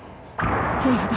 セーフだ。